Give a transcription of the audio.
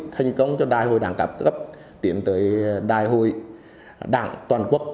thành công cho đại hội đảng các cấp tiến tới đại hội đảng toàn quốc